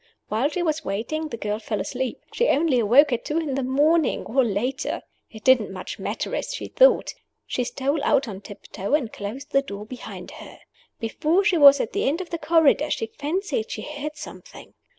While she was waiting, the girl fell asleep. She only awoke at two in the morning, or later. It didn't much matter, as she thought. She stole out on tiptoe, and closed the door behind her. Before she was at the end of the corridor, she fancied she heard something.